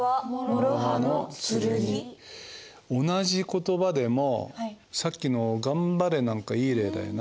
同じ言葉でもさっきの「がんばれ」なんかいい例だよな。